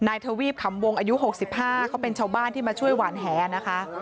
ทวีปขำวงอายุ๖๕เขาเป็นชาวบ้านที่มาช่วยหวานแหนะคะ